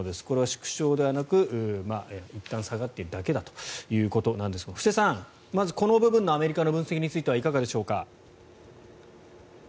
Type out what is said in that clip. これは縮小ではなくいったん下がっているだけだということなんですが布施さん、この部分のアメリカの分析についてはいかがでしょうか。